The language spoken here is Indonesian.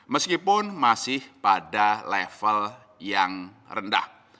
meskipun masih pada level yang rendah